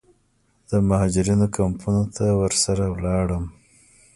د مهاجرینو کمپونو ته ورسره ولاړم.